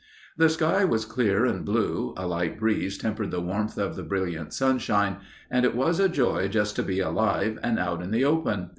The sky was clear and blue, a light breeze tempered the warmth of the brilliant sunshine, and it was a joy just to be alive and out in the open.